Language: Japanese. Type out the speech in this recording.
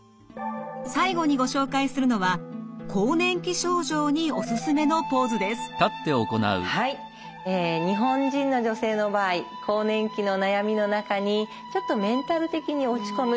最後にご紹介するのははいえ日本人の女性の場合更年期の悩みの中にちょっとメンタル的に落ち込む